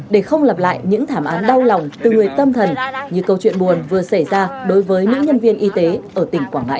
để không lặp lại những thảm án đau lòng từ người tâm thần như câu chuyện buồn vừa xảy ra đối với nữ nhân viên y tế ở tỉnh quảng ngãi